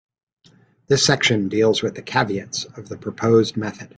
This section deals with the caveats of the proposed method.